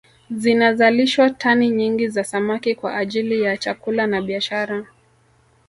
Zinazalishwa tani nyingi za samaki kwa ajili ya chakula na biashara